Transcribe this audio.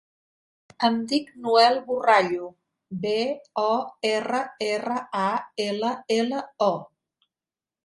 Em dic Noel Borrallo: be, o, erra, erra, a, ela, ela, o.